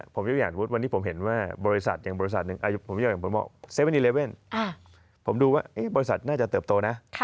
ผมดูว่าบริษัทน่าจะเติบโตนะ